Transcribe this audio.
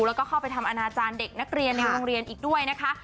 แล้วก็เข้าไปทำอนาจารย์เด็กนักเรียนในโรงเรียนอีกด้วยนะคะ